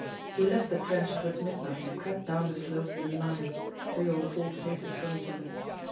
We left the trench towards midnight and crept down the slope in line, three or four paces from each other.